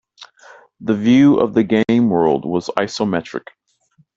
The view of the game-world was isometric.